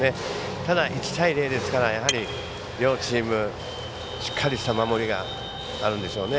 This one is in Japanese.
ただ１対０ですから両チームしっかりした守りがあるんでしょうね。